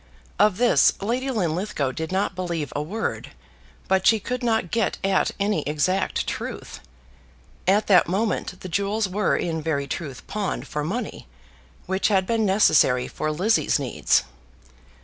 Of this Lady Linlithgow did not believe a word, but she could not get at any exact truth. At that moment the jewels were in very truth pawned for money which had been necessary for Lizzie's needs.